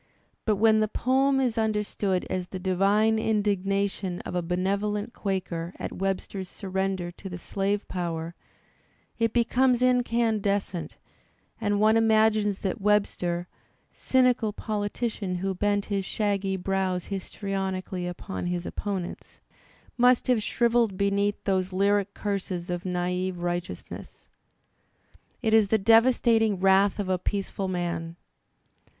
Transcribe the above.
But when the poem is understood as the divine indignation of a benevolent Quaker at Webster's surrender to the slave power, it becomes incandescent, and one imagines that Webster, cynical politician who bent his shaggy brows histrionically upon his opponents, must have shrivelled beneath those lyric curses of naive righteousness. It is the devastating wrath of a peaceful man!